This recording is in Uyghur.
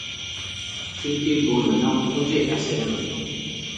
چۈنكى بۇ مېنىڭ تۇنجى ئەسىرىم ئىدى.